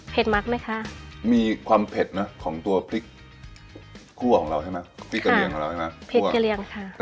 มักไหมคะมีความเผ็ดนะของตัวพริกคั่วของเราใช่ไหมพริกกะเรียงของเราใช่ไหมเผ็ดกะเรียงค่ะ